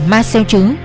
ma sêu chứ